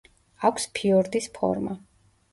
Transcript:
აქვს ფიორდის ფორმა.